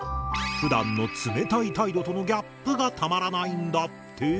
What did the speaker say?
ふだんの冷たい態度とのギャップがたまらないんだって。